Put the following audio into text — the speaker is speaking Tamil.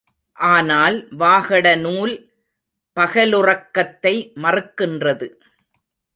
ஆனால் வாகடநூல் பகலுறக்கத்தை மறுக்கின்றது.